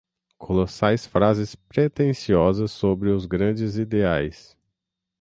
colossais frases pretensiosas sobre os grandes ideais